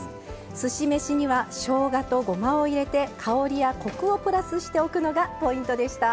すし飯にはしょうがとごまを入れて香りやコクをプラスしておくのがポイントでした。